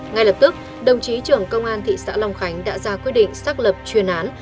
ngay lập tức đồng chí trưởng công an thị xã long khánh đã ra quyết định xác lập chuyên án